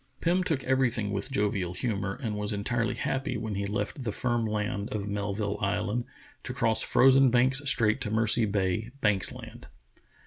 Pim took everything with jovial humor, and was entirely happy when he left the firm land of Melville Island to cross frozen Banks Strait to Mercy Bay, Banks Land.